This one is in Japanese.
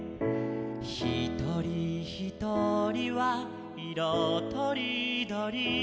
「ひとりひとりはいろとりどり」